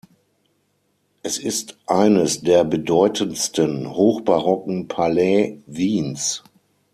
Es ist eines der bedeutendsten hochbarocken Palais Wiens.